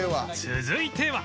続いては